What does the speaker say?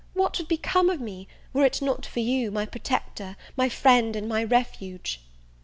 what would become of me, were it not for you, my protector, my friend, and my refuge?